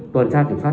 tuần tra kiểm soát